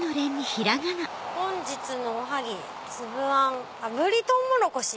「本日のおはぎつぶあん炙りとうもろこし」。